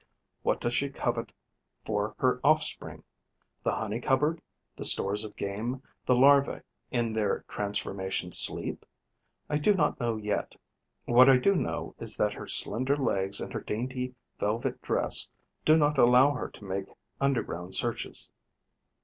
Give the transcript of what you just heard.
What does she covet for her offspring: the honey cupboard, the stores of game, the larvae in their transformation sleep? I do not know yet, What I do know is that her slender legs and her dainty velvet dress do not allow her to make underground searches.